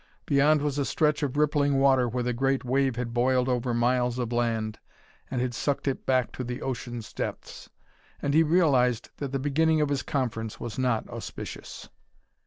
Beyond was a stretch of rippling water where the great wave had boiled over miles of land and had sucked it back to the ocean's depths. And he realized that the beginning of his conference was not auspicious.